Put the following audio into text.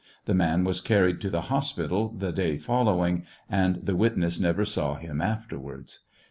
The man was carried to the hospital the day following, and the witness never saw him afterwards.